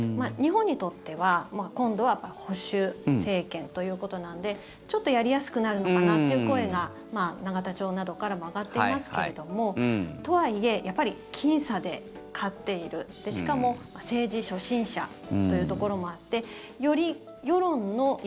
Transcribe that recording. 日本にとっては今度は保守政権ということなのでちょっとやりやすくなるのかなっていう声が永田町などからも上がっていますけれどもとはいえやっぱりきん差で勝っているしかも政治初心者というところもあって